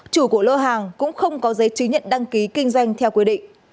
chủ của lô hàng cũng không có giấy chứng nhận đăng ký kinh doanh theo quy định